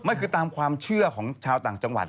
คือตามความเชื่อของชาวต่างจังหวัด